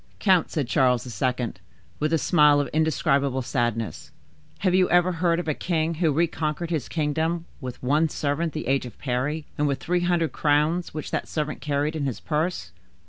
"Count," said Charles II., with a smile of indescribable sadness, "have you ever heard of a king who reconquered his kingdom with one servant the age of Parry, and with three hundred crowns which that servant carried in his purse?"